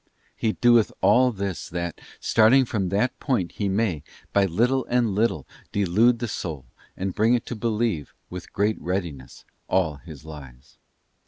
He doeth all this that, starting from that point, he may, by little and little, delude the soul, and bring it to believe, with great readiness, all his lies.